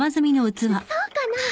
そうかな？